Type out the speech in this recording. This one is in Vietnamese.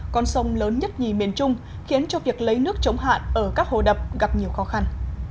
con sông lớn nhất nhì miền trung khiến cho việc lấy nước chống hạn ở các hồ đập gặp nhiều khó khăn